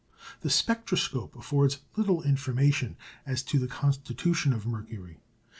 The spectroscope affords little information as to the constitution of Mercury.